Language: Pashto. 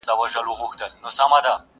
وږي نس ته یې لا ښکار نه وو میندلی؛